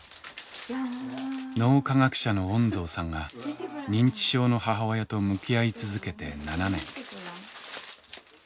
脳科学者の恩蔵さんが認知症の母親と向き合い続けて７年。